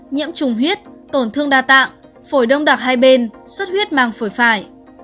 nhiễm trùng huyết tổn thương đa tạng phổi đông đặc hai bên xuất huyết mang phổi phải